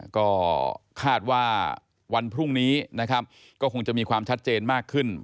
ก็คาดว่าวันพรุ่งนี้นะครับก็คงจะมีความชัดเจนมากขึ้น